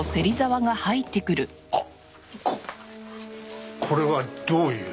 あっここれはどういう？